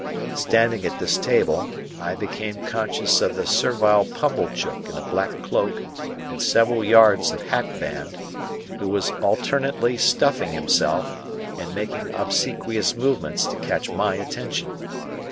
Standing at this table, I became conscious of the servile Pumblechook in a black cloak and several yards of hatband, who was alternately stuffing himself, and making obsequious movements to catch my attention.